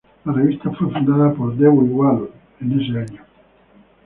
La revista fue fundada por Dewitt Wallace en ese año.